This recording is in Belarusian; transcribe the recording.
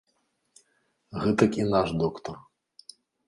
Гэтак і наш доктар.